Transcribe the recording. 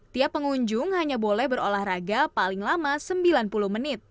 tiap pengunjung hanya boleh berolahraga paling lama sembilan puluh menit